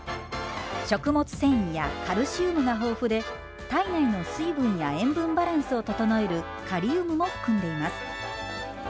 食物繊維やカルシウムが豊富で体内の水分や塩分バランスを整えるカリウムも含んでいます。